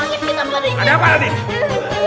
aduh kepala saya dimana nih